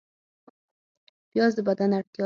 پیاز د بدن اړتیا ده